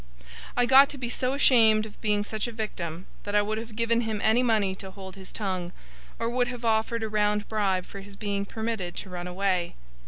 I got to be so ashamed of being such a victim, that I would have given him any money to hold his tongue, or would have offered a round bribe for his being permitted to run away.